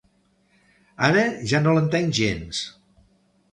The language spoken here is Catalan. Ara ja no l'entenc gens.